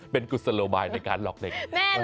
เป็นกุศโลบายในการหลอกเด็ก